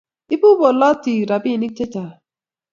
ibuu bolutik robinik chechamg